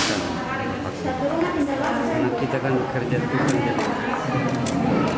karena kita kan bekerja tukang jatuh